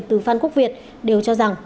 từ phan quốc việt đều cho rằng